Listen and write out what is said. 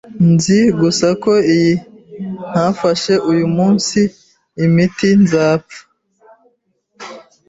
Nzi gusa ko iyo ntafashe uyu munsi imiti, nzapfa.